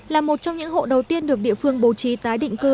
là một trong những hộ đầu tiên được địa phương bố trí tái định cư